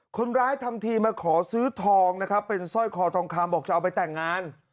ทำทีมาขอซื้อทองนะครับเป็นสร้อยคอทองคำบอกจะเอาไปแต่งงาน